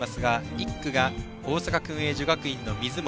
１区が大阪薫英女学院の水本。